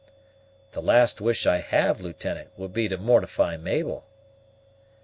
"The last wish I have, Lieutenant, would be to mortify Mabel."